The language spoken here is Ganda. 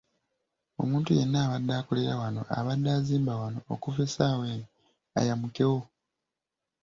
Omuntu yenna abadde akolera wano, abadde azimba wano okuva essaawa eno ayamukewo.